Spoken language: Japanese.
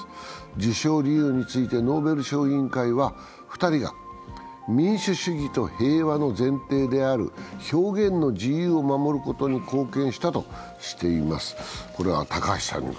授賞理由についてノーベル賞委員会は２人が民主主義と平和の前提である表現の自由を守ることに貢献したとしています。